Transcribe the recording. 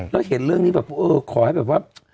แล้วเห็นเรื่องนี้แบบเออขอให้แบบว่า